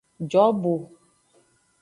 Jobo.